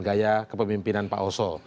gaya kepemimpinan pak oso